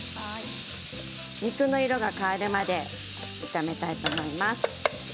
肉の色が変わるまで炒めたいと思います。